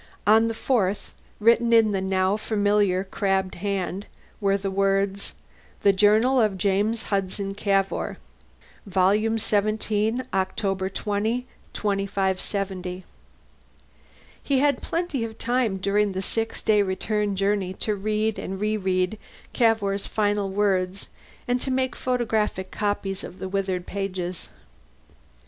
On the fourth, written in the now familiar crabbed hand, were the words: _The Journal of James Hudson Cavour. Volume 17 October 20, 2570 _He had plenty of time, during the six day return journey, to read and re read Cavour's final words and to make photographic copies of the withered old pages.